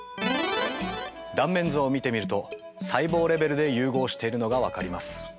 断面図を見てみると細胞レベルで融合しているのが分かります。